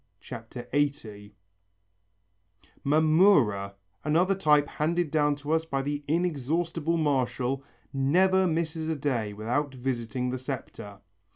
Mamurra, another type handed down to us by the inexhaustible Martial, never misses a day without visiting the septa.